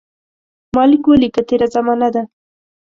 ما لیک ولیکه تېره زمانه ده.